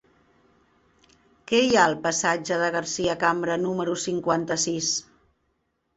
Què hi ha al passatge de Garcia Cambra número cinquanta-sis?